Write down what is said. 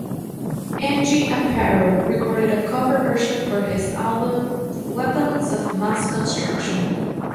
Angie Aparo recorded a cover version for his album "Weapons of Mass Construction".